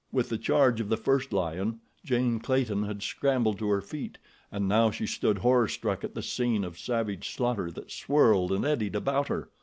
With the charge of the first lion, Jane Clayton had scrambled to her feet, and now she stood horror struck at the scene of savage slaughter that swirled and eddied about her.